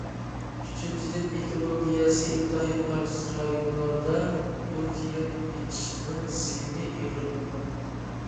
ئۈچىنچىدىن، ئېكولوگىيەسى ئىنتايىن ئاجىز رايونلاردا بوز يەر ئېچىشنىڭ زىيىنى ئېغىر بولغان.